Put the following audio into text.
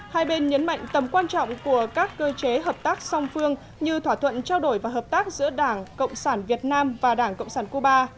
hai bên nhấn mạnh tầm quan trọng của các cơ chế hợp tác song phương như thỏa thuận trao đổi và hợp tác giữa đảng cộng sản việt nam và đảng cộng sản cuba